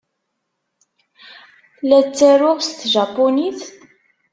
La ttaruɣ s tjapunit?